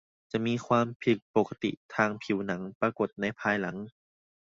จะมีความผิดปกติทางผิวหนังปรากฏในภายหลัง